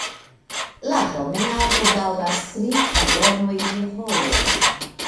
La promenado daŭras tri kvaronoj de horo.